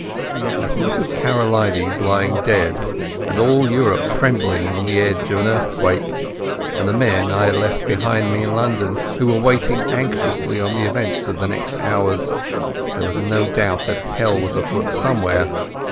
I thought of Karolides lying dead and all Europe trembling on the edge of earthquake, and the men I had left behind me in London who were waiting anxiously for the events of the next hours. There was no doubt that hell was afoot somewhere.